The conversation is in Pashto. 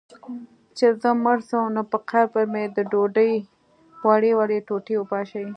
چي زه مړ سم، نو پر قبر مي د ډوډۍ وړې وړې ټوټې وپاشی